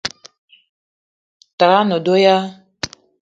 Tara a ne do ya?